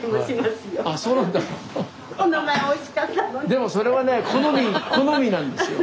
でもそれはね好みなんですよ。